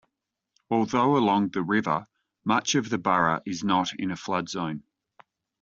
Although along the river, much of the borough is not in a flood zone.